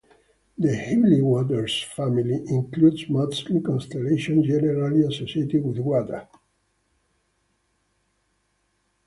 The Heavenly Waters family includes mostly constellations generally associated with water.